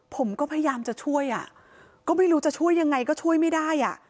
ผมก็พยายามจะช่วยอ่ะก็ไม่รู้จะช่วยยังไงก็ช่วยไม่ได้อ่ะ